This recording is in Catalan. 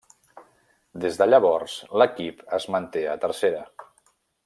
Des de llavors, l'equip es manté a Tercera.